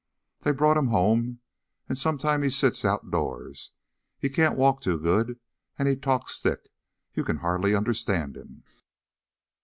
They brought him home, and sometimes he sits outdoors. But he can't walk too good and he talks thick; you can hardly understand him."